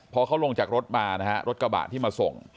พอเขาลงจากรถมานะฮะรถกระบะที่มาส่ง